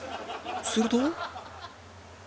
すると